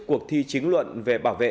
cuộc thi chính luận về bảo vệ